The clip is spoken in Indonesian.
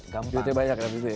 duitnya banyak kan abis itu ya